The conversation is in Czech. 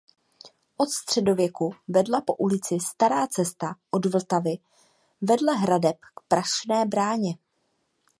Od středověku vedla po ulici stará cesta od Vltavy vedle hradeb k Prašné bráně.